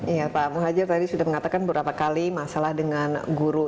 iya pak muhajir tadi sudah mengatakan beberapa kali masalah dengan guru